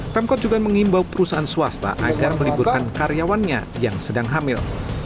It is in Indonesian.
pemkot juga mengimbau perusahaan swasta agar meliburkan karyawannya yang sedang hamil